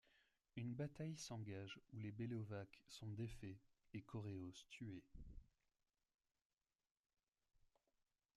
Une bataille s’engage où les Bellovaques sont défaits et Corréos tué.